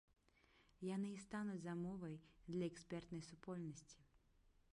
Яны і стануць замовай для экспертнай супольнасці.